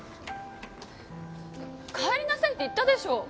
帰りなさいって言ったでしょ。